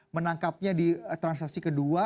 menangkapnya di transaksi kedua